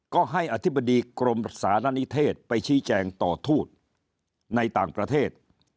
ก็ให้อธิบดีกรมสารณิเทศไปชี้แจงต่อทูตในต่างประเทศ